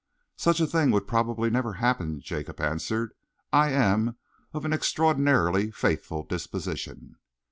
"Such a thing would probably never happen," Jacob answered. "I am of an extraordinarily faithful disposition."